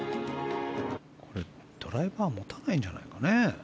ドライバー持たないんじゃないかね？